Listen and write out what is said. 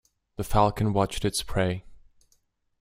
The falcon watched its prey.